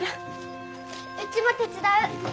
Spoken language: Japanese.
うちも手伝う。